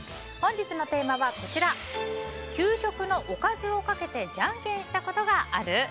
本日のテーマは給食のおかずをかけてジャンケンしたことがある？